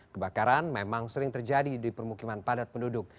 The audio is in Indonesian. kebakaran memang sering terjadi di permukiman padat penduduk